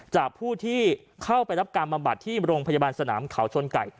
จากผู้ที่เข้าไปรับการบำบัดที่โรงพยาบาลสนามเขาชนไก่